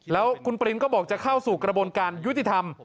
แล้วคุณปรินก็บอกจะเข้าสู่กระบวนการยุติธรรม